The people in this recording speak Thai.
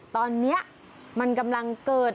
ตอนนี้มันกำลังเกิด